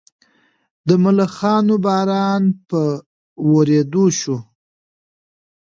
د ملخانو باران په ورېدو شو.